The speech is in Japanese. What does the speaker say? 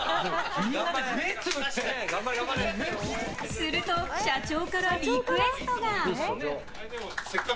すると、社長からリクエストが。